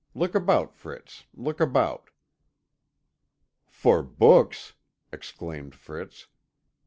Look about, Fritz, look about." "For books!" exclaimed Fritz.